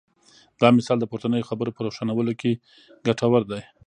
دا مثال د پورتنیو خبرو په روښانولو کې ګټور دی.